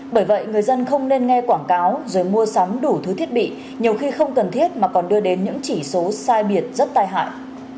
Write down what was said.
bởi vậy người dân không nên nghe quảng cáo rồi mua sắm đủ thứ thiết bị nhiều khi không cần thiết mà còn đưa đến những chỉ số sai biệt rất tai hại